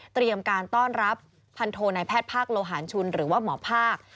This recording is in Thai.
เตรียมการต้อนรับพันโทนายแพทย์ภาคโลหารชุนหรือว่าหมอภาค